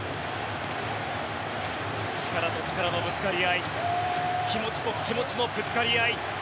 力と力のぶつかり合い気持ちと気持ちのぶつかり合い